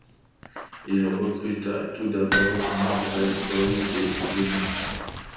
Il recruta tout d'abord Marvel Boy et Vénus.